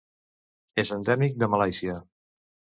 És endèmic de Malàisia.